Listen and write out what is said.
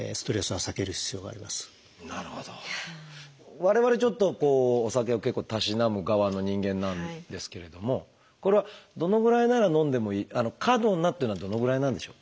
我々ちょっとお酒を結構たしなむ側の人間なんですけれどもこれはどのぐらいなら飲んでもいい「過度な」というのはどのぐらいなんでしょう？